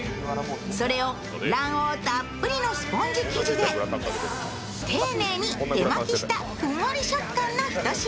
それを卵黄たっぷりのスポンジ生地で丁寧に手巻きしたふんわり食感のひと品。